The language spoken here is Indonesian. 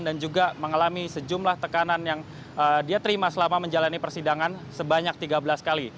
dan juga mengalami sejumlah tekanan yang dia terima selama menjalani persidangan sebanyak tiga belas kali